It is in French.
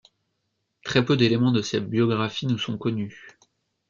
Très peu d'éléments de sa biographie nous sont connus.